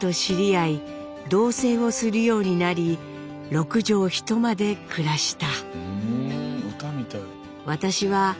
「六畳一間で暮らした」。